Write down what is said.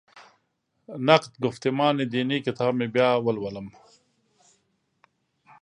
نقد ګفتمان دیني کتاب مې بیا ولولم.